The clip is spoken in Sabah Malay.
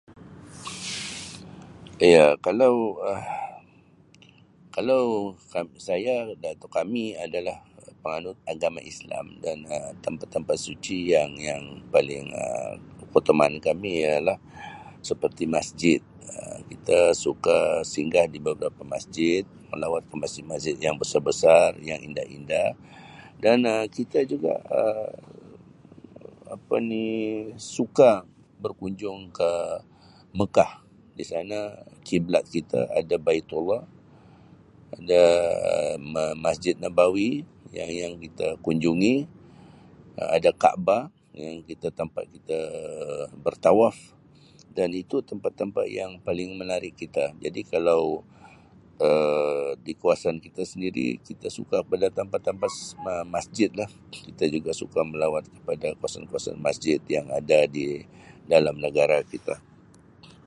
Ya kalau Um kalau kam saya kami adalah penganut agama islam dan Um tempat tempat suci yang yang paling Um keutamaan kami ialah seperti masjid Um kita suka singgah di beberapa masjid melawat ke masjid masjid yang besar besar yang indah indah dan Um kita juga Um apa ni suka berkunjung ke mekah di sana kiblat kita ada baitullah ada ma- masjid nabawi yang yang kita kunjungi ada kaabah yang kita tempat kita bertawaf dan itu tempat tempat yang paling menarik kita jadi kalau Um di kawasan kita sendiri kita suka pada tempat tempat masjid lah kita juga suka melawat kepada kawasan kawasan masjid yang ada di dalam negara kita